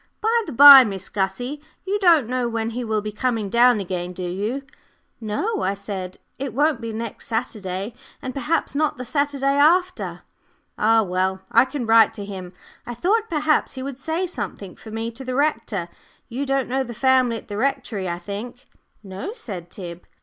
"By the by, Miss Gussie, you don't know when he will be coming down again, do you?" "No," I said. "It won't be next Saturday, and perhaps not the Saturday after." "Ah well! I can write to him. I thought perhaps he would say something for me to the rector you don't know the family at the Rectory, I think?" "No," said Tib.